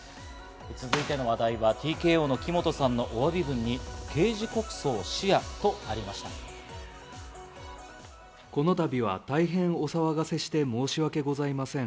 続いての話題はＴＫＯの木本さんのお詫び文に「刑事告訴を視野」とありました。